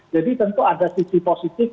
jadi tentu ada sisi positif